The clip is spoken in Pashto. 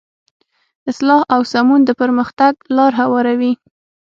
اصلاح او سمون د پرمختګ لاره هواروي.